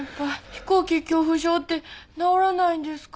飛行機恐怖症って治らないんですか？